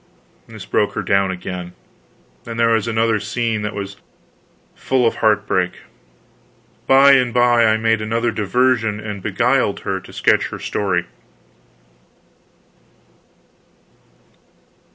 This broke her down again, and there was another scene that was full of heartbreak. By and by I made another diversion, and beguiled her to sketch her story.